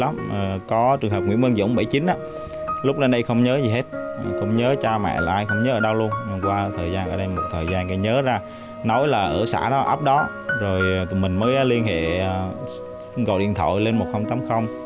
một thời gian ở đây một thời gian cái nhớ ra nói là ở xã đó ấp đó rồi tụi mình mới liên hệ gọi điện thoại lên một nghìn tám mươi